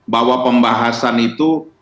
bahwa pembahasan itu adalah berikut